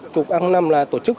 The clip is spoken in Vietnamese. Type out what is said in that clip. cục ăn năm là tổ chức